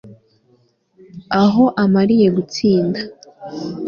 aho amariye gutsinda